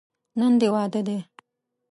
نن دې واده دی.